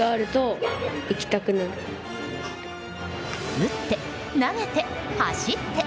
打って、投げて、走って。